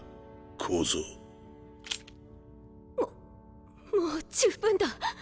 小僧。ももう十分だ。